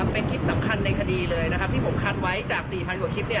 เป็นคลิปสำคัญในคดีเลยผมคาดไว้จากสี่พันคลิปเนี่ย